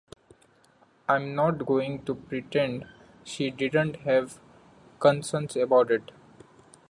I'm not going to pretend she didn't have concerns about it.